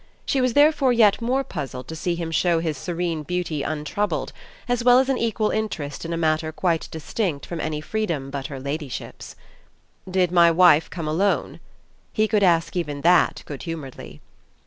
She was therefore yet more puzzled to see him show his serene beauty untroubled, as well as an equal interest in a matter quite distinct from any freedom but her ladyship's. "Did my wife come alone?" He could ask even that good humouredly.